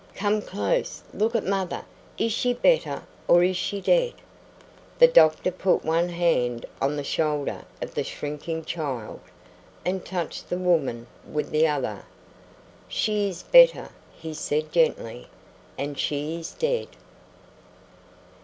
"Come close! Look at mother! Is she better or is she dead?" The doctor put one hand on the shoulder of the shrinking child, and touched the woman with the other. "She is better!" he said gently, "and she is dead."